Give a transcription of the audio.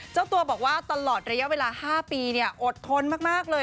เจ้าตัวบอกว่าตลอดระยะเวลา๕ปีอดทนมากเลย